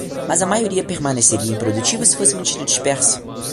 Mas a maioria permaneceria improdutiva se fosse mantida dispersa.